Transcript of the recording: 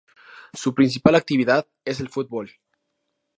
Su principal actividad es el Fútbol.